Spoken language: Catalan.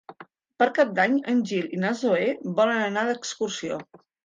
Per Cap d'Any en Gil i na Zoè volen anar d'excursió.